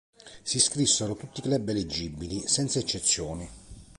Si iscrissero tutti i club eleggibili, senza eccezioni.